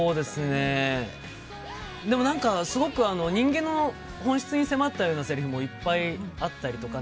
すごく人間の本質に迫ったようなせりふもいっぱいあったりとか。